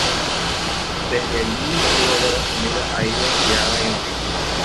Desde allí pudo ver a su amiga Aída tirada en el piso.